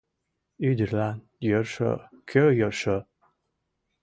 Ӱдырлан йӧршӧ, кӧ йӧршӧ? -